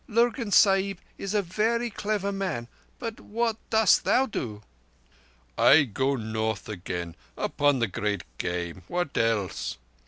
"Lurgan Sahib is a very clever man. But what dost thou do?" "I go North again, upon the Great Game. What else?